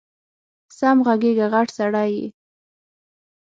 سم غږېږه غټ سړی یې